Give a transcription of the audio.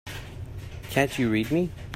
Can't you read me?